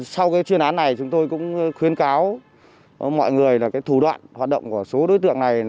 sau cái chuyên án này chúng tôi cũng khuyến cáo mọi người là thủ đoạn hoạt động của số đối tượng này